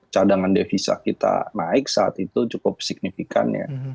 cadangan devisa kita naik saat itu cukup signifikan ya